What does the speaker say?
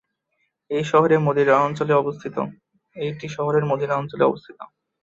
এটি শহরের মদিনা অঞ্চলে অবস্থিত।